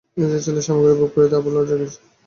নিজের ছেলের সামগ্রী ভোগ করিতে আবার লজ্জা কিসের।